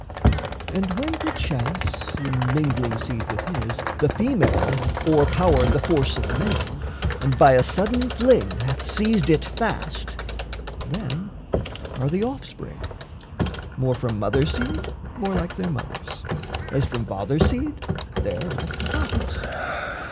And when perchance, in mingling seed with his, The female hath o'erpowered the force of male And by a sudden fling hath seized it fast, Then are the offspring, more from mothers' seed, More like their mothers; as, from fathers' seed, They're like to fathers.